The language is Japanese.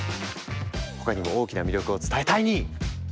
他にも大きな魅力を伝えタイニー！